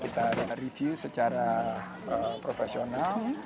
kita review secara profesional